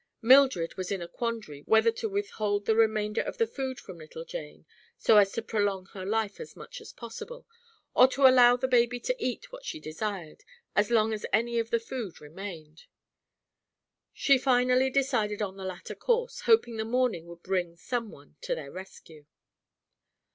Mildred was in a quandary whether to withhold the remainder of the food from little Jane, so as to prolong her life as much as possible, or to allow the baby to eat what she desired, as long as any of the food remained. She finally decided on the latter course, hoping the morning would bring some one to their rescue.